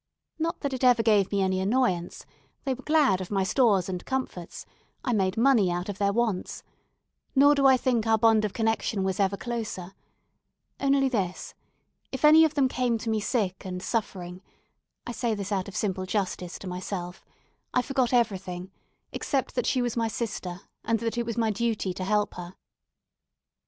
Not that it ever gave me any annoyance; they were glad of my stores and comforts, I made money out of their wants; nor do I think our bond of connection was ever closer; only this, if any of them came to me sick and suffering (I say this out of simple justice to myself), I forgot everything, except that she was my sister, and that it was my duty to help her.